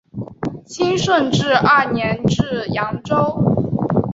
清顺治二年至扬州。